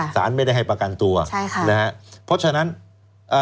สารไม่ได้ให้ประกันตัวใช่ค่ะนะฮะเพราะฉะนั้นเอ่อ